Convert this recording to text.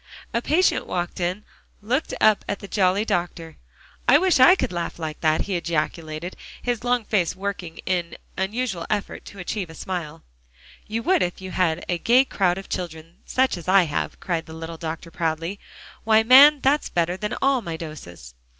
A patient walking in, looked up at the jolly little doctor. "I wish I could laugh like that," he ejaculated, his long face working in the unusual effort to achieve a smile. "You would if you had a gay crowd of children such as I have," cried the little doctor proudly. "Why, man, that's better than all my doses."